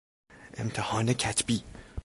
امتحان کتبی